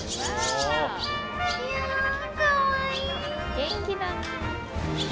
元気だね。